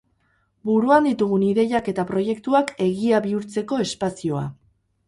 Buruan ditugun ideiak eta proiektuak egia bihurtzeko espazioa.